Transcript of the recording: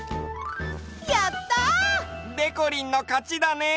やった！でこりんのかちだね！